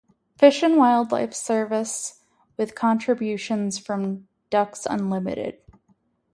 Fish and Wildlife Service with contributions from Ducks Unlimited.